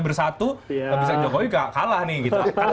bersatu bisa jokowi kalah nih gitu